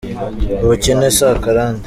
Ubukene si akarande.